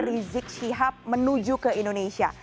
rizik syihab menuju ke indonesia